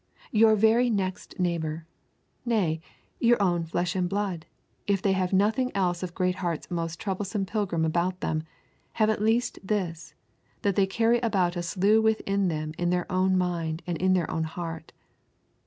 Your very next neighbour; nay, your own flesh and blood, if they have nothing else of Greatheart's most troublesome pilgrim about them, have at least this, that they carry about a slough with them in their own mind and in their own heart.